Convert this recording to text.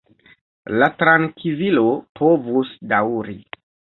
La trankvilo povus daŭri.